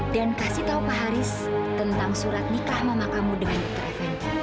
dan kasih tahu pak haris tentang surat nikah mama kamu dengan dokter fnd